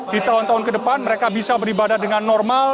di tahun tahun kedepan mereka bisa beribadah dengan normal